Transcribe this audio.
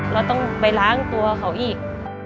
เราต้องไปล้างตัวเขาอีก